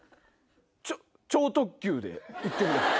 超特急で行ってください。